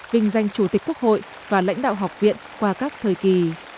vinh danh chủ tịch quốc hội và lãnh đạo học viện qua các thời kỳ